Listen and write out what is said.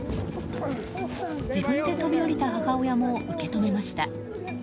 自分で飛び降りた母親も受け止めました。